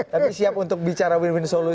tapi siap untuk bicara win win solution